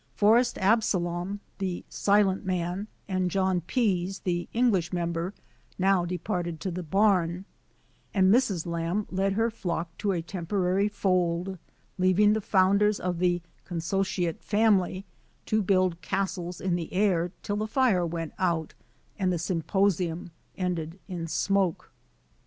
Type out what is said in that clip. Forest Absalom, the silent man, and John Pease, the English member, now departed to the bam; and Mrs. Lamb led her flock to a temporary fold, leaving the founders of the "Consociate Family" to build castles in the air till the fire went out and the symposium ended in smoke.